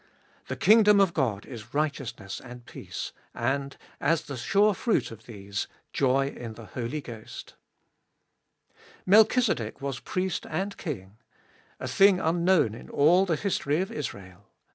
The kingdom of God is righteousness and peace, and, as the sure fruit of these, joy in the Holy Ghost Melchizedek was priest and king — a thing unknown in all the history of Israel.